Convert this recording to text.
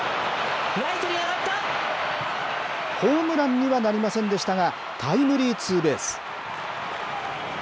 ホームランにはなりませんでしたが、タイムリーツーベース。